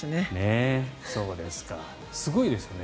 すごいですね。